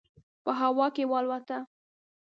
په هوا کې والوته.